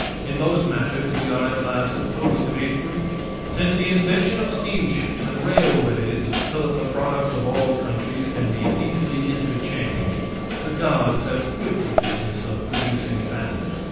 In most matters we are at last supposed to be free. Since the invention of steamships and railways, so that the products of all countries can be easily interchanged, the gods have quit the business of producing famine.